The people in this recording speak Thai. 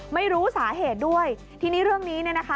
ไม่รู้สาเหตุด้วยทีนี้เรื่องนี้เนี่ยนะคะ